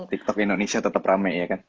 tiktok indonesia tetap rame ya kan